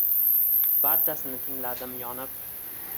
Barchasini tingladim yonib